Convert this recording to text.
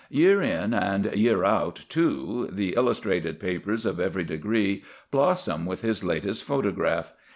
Year in and year out, too, the illustrated papers of every degree blossom with his latest photograph.